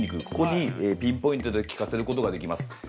ここにピンポイントで効かせることができます。